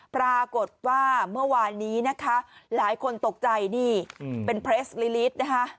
ปรากฏว่าเมื่อวานนี้หลายคนตกใจเป็นเพรสลิลิต